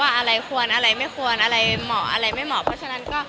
อะไรควรอะไรไม่ควรอะไรเหมาะอะไรไม่เหมาะเพราะฉะนั้นก็